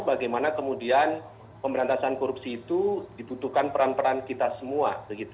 bagaimana kemudian pemberantasan korupsi itu dibutuhkan peran peran kita semua